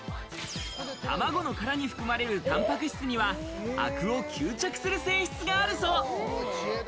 卵の殻に含まれるタンパク質には、アクを吸着する性質があるそう。